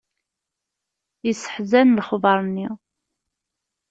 Yesseḥzan lexbeṛ-nni